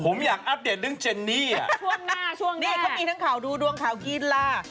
ผมอยากอัปเดตเรื่องเจนนี่อ่ะช่วงหน้าช่วงนี้เขามีทั้งข่าวดูดวงข่าวกีฬา